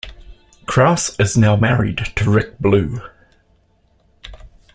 Crouse is now married to Rick Blue.